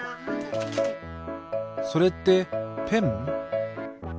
それってペン？